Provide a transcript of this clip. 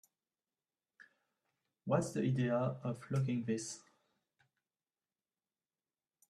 What's the idea of locking this?